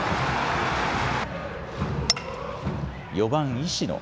４番・石野。